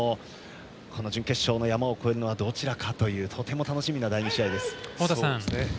この準決勝の山を越えるのはどちらかというとても楽しみな第２試合です。